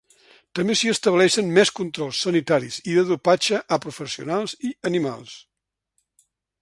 També s’hi estableixen més controls sanitaris i de dopatge a professionals i animals.